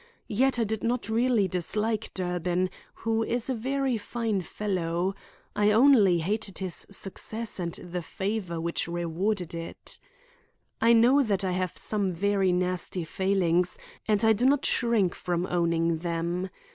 Yet I did not really dislike Durbin, who is a very fine fellow. I only hated his success and the favor which rewarded it. I know that I have some very nasty failings and I do not shrink from owning them.